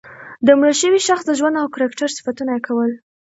د مړه شوي شخص د ژوند او کرکټر صفتونه یې کول.